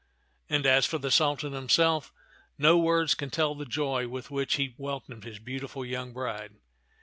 And as for the Sultan himself, no words can tell the joy with which he welcomed his beautiful young bride.